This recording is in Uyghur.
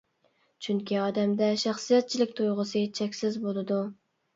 چۈنكى ئادەمدە شەخسىيەتچىلىك تۇيغۇسى چەكسىز بولىدۇ.